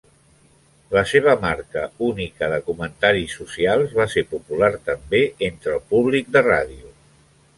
La seva marca única de comentaris socials va ser popular també entre el públic de ràdio.